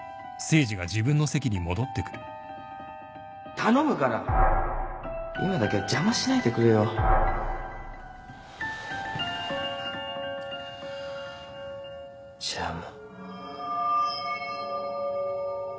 頼むから今だけは邪魔しないでくれよ邪魔。